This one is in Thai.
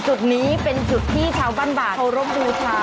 จุดนี้เป็นจุดที่ชาวบ้านบาดเคารพบูชา